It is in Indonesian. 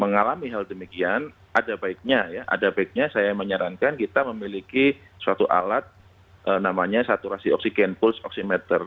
mengalami hal demikian ada baiknya ya ada baiknya saya menyarankan kita memiliki suatu alat namanya saturasi oksigen pulse oximeter